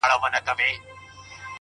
مهرباني د انسانیت ښکلی انځور دی’